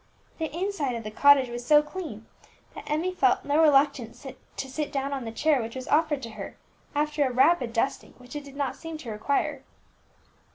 The inside of the cottage was so clean, that Emmie felt no reluctance to sit down on the chair which was offered to her, after a rapid dusting which it did not seem to require.